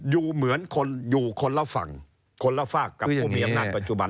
อยู่เหมือนคนอยู่คนละฝั่งคนละฝากกับผู้มีอำนาจปัจจุบัน